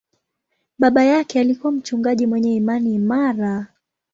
Baba yake alikuwa mchungaji mwenye imani imara.